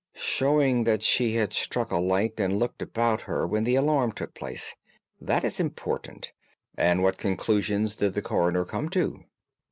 "Showing that she had struck a light and looked about her when the alarm took place. That is important. And what conclusions did the coroner come to?"